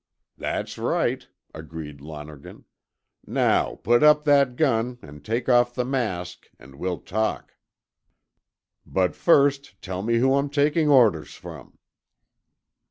"That's right," agreed Lonergan. "Now put up that gun and take off the mask, an' we'll talk." "But first tell me who I'm taking orders from."